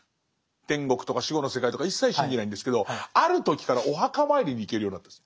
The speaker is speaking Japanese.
天国とか死後の世界とか一切信じないんですけどある時からお墓参りに行けるようになったんです。